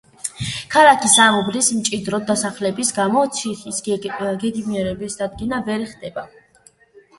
ქალაქის ამ უბნის მჭიდროდ დასახლების გამო ციხის გეგმარების დადგენა ვერ ხერხდება.